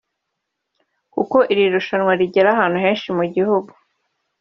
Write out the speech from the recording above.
kuko iri rushanwa rigera ahantu henshi mu gihugu